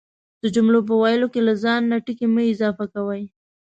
د جملو په ويلو کی دا ځان نه ټکي مه اضافه کوئ،